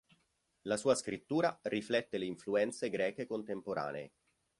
La sua scrittura riflette le influenze greche contemporanee.